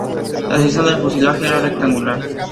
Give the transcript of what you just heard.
La sección del fuselaje, era rectangular.